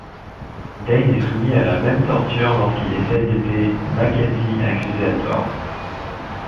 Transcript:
Dane est soumis à la même torture lorsqu'il essaye d'aider McKenzie, accusé à tort.